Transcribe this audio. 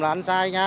là anh sai nha